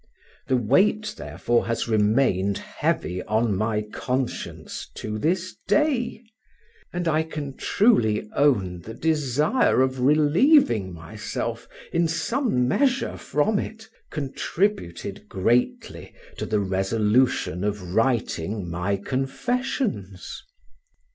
The weight, therefore, has remained heavy on my conscience to this day; and I can truly own the desire of relieving myself, in some measure, from it, contributed greatly to the resolution of writing my Confessions.